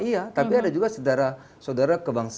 iya tapi ada juga saudara kebangsaan